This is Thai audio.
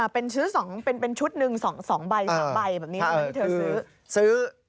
เป็นชุดหนึ่ง๒ใบ๓ใบแบบนี้ที่เธอซื้อ